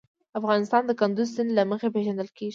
افغانستان د کندز سیند له مخې پېژندل کېږي.